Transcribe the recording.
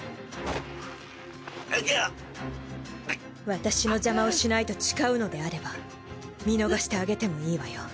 私の邪魔をしないと誓うのであれば見逃してあげてもいいわよ。